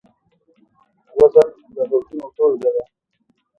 وزن د غږونو ټولګه ده.